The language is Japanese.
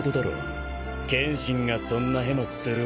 剣心がそんなヘマするわけねえ。